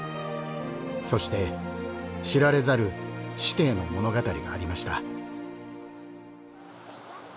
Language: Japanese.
そして知られざる師弟の物語がありました。